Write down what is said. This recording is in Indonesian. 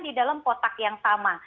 di dalam kotak yang sama